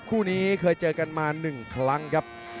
คู่นี้เคยเจอกันมา๑ครั้งครับ